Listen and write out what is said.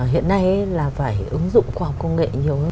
hiện nay là phải ứng dụng khoa học công nghệ nhiều hơn